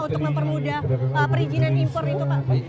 untuk mempermudah perizinan impor itu pak